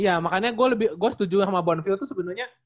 iya makanya gue setuju sama bonville tuh sebenarnya